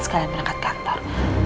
sekalian berangkat kantor